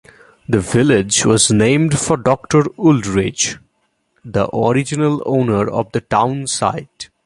The village was named for Doctor Wooldridge, the original owner of the town site.